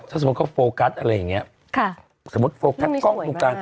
ถ้าสมมติเขาโฟกัสอะไรอย่างเงี้ยค่ะสมมติโฟกัสกล้องอยู่กัน